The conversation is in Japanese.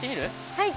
はい！